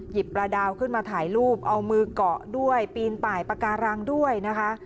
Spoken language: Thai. ปลาดาวขึ้นมาถ่ายรูปเอามือเกาะด้วยปีนป่ายปากการังด้วยนะคะ